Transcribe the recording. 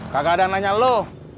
kakak ada yang nanya lo